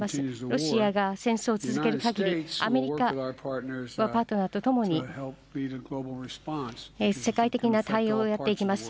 ロシアが戦争を続けるかぎり、アメリカはパートナーと共に、世界的な対応をやっていきます。